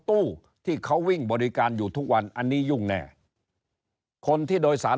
ตู้ที่เขาวิ่งบริการอยู่ทุกวันอันนี้ยุ่งแน่คนที่โดยสาร